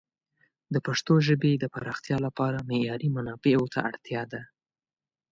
د پښتو ژبې د پراختیا لپاره معیاري منابعو ته اړتیا ده.